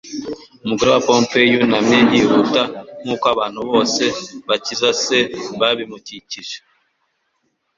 Umugore wa pompe yunamye yihuta, nkuko abantu bose bakiza se babimukikije.